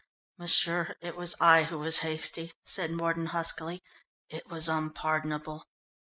"M'sieur, it was I who was hasty," said Mordon huskily, "it was unpardonable...."